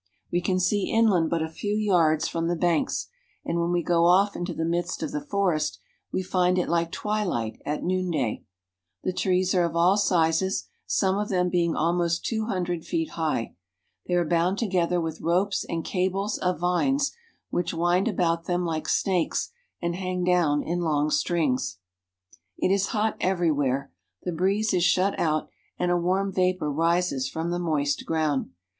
Wc can see inland but a few yards from the banks, and when we go off into the midst of the forest we find it like twilight at noonday. The trees are of all sizes, some of them being almost two hundred feet high. They are bound together with ropes and cables of vines, which wind about them like snakes and hang down in long strings. It is hot everywhere. The breeze is shut out and a warm vapor rises from the moist ground.